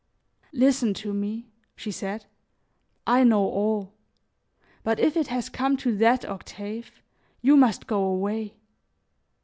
"Listen to me," she said; "I know all; but if it has come to that, Octave, you must go away.